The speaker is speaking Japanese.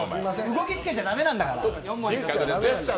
動きつけちゃ駄目なんだから。